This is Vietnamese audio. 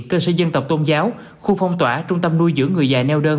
cơ sở dân tộc tôn giáo khu phong tỏa trung tâm nuôi dưỡng người già neo đơn